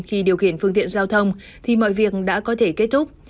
khi điều khiển phương tiện giao thông thì mọi việc đã có thể kết thúc